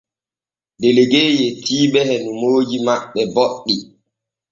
Delegue yetti ɓe e nomooji maɓɓe boɗɗi.